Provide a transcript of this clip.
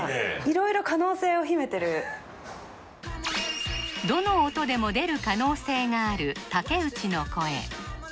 色々どの音でも出る可能性があるたけうちの声